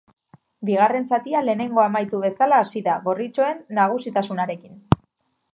Bigarren zatia lehenengoa amaitu bezala hasi da, gorritxoen nagusitasunarekin.